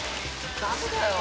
ダメだよ。